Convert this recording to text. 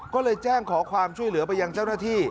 ก็เลยแจ้งขอความช่วยเหลือไปยังเจ้าหน้าที่